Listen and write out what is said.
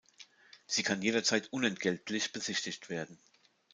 Sie kann jederzeit unentgeltlich besichtigt werden.